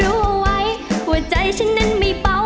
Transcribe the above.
รู้ไว้หัวใจฉันนั้นไม่เป๋า